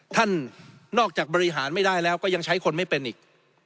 ท่านนอกจากบริหารไม่ได้แล้วก็ยังใช้คนไม่เป็นอีก